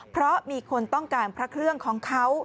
เพราะมีคนต้องการพระเครื่องของเขา